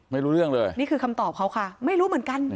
ไม่รู้เรื่องเลยนี่คือคำตอบเขาค่ะไม่รู้เหมือนกัน